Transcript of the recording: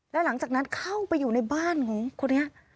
แล้วหลังจากนั้นเข้าไปอยู่ในบ้านของคนนี้